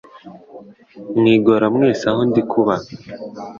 mwigora rwose aho ndikuba